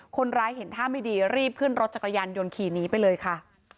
คนร้ายเห็นท่าไม่ดีรีบขึ้นรถจักรยานยนต์ขี่หนีไปเลยค่ะ